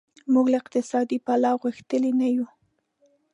موږ له اقتصادي پلوه غښتلي نه یو.